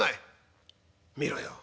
「見ろよ。